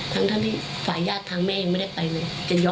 ทั้งที่ฝ่ายญาติทางแม่ยังไม่ได้ไปเลย